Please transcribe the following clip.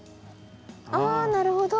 あなるほど。